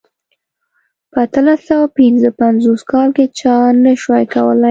په اتلس سوه پنځه پنځوس کال کې چا نه شوای کولای.